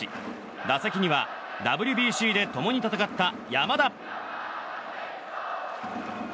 打席にはＷＢＣで共に戦った山田。